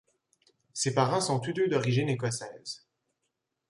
Ses parents sont tous deux d'origine écossaise.